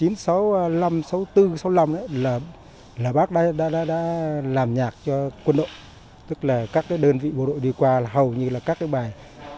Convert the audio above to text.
năm một nghìn chín trăm sáu mươi bốn sáu mươi năm là bác đã làm nhạc cho quân đội tức là các đơn vị bộ đội đi qua hầu như là các cái bài